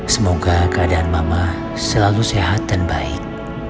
semoga keadaan mama selalu sehat dan baik